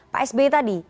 pak sby tadi